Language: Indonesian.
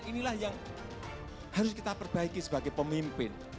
dan inilah yang harus kita perbaiki sebagai pemimpin